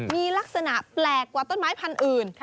มีลักษณะแปลกกว่าต้นไม้พันธุ์อื่น